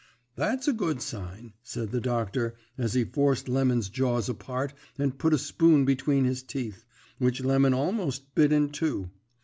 "'That's a good sign,' said the doctor, as he forced Lemon's jaws apart and put a spoon between his teeth, which Lemon almost bit in two.